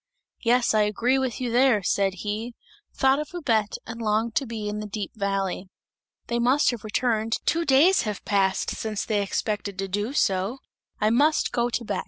"Yes, I agree with you there!" said he; thought of Babette and longed to be in the deep valley. "They must have returned, two days have passed since they expected to do so. I must go to Bex!"